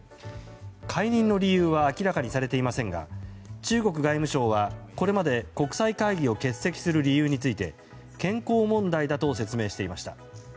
解任の理由は明らかにされていませんが中国外務省はこれまで国際会議を欠席する理由について健康問題だと説明していました。